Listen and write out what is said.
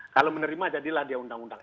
kalau menerima jadilah dia undang undang